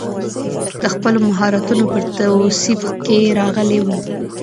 د خپلو مهارتونو پر توصیف کې راغلی و.